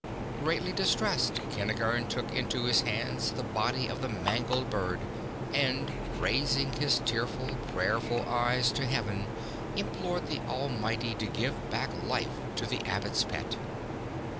Greatly distressed, Kentigern took into his hands the body of the mangled bird, and raising his tearful, prayerful eyes to heaven, implored the Almighty to give back life to the Ab 77 bot's pet.